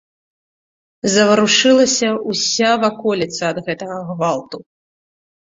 Заварушылася ўся ваколіца ад гэтага гвалту.